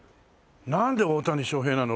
なんで大谷翔平なの？